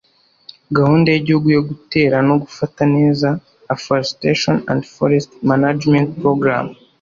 gahunda y Igihugu yo gutera no gufata neza afforestation and forest management program